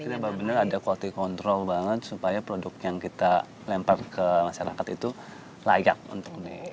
jadi kita benar benar ada quality control banget supaya produk yang kita lempar ke masyarakat itu layak untuk ini